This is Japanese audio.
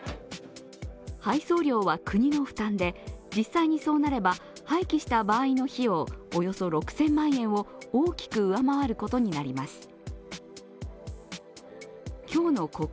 配送料は国の負担で実際にそうなれば廃棄した場合の費用、およそ６０００万円を大きく上回ることになります。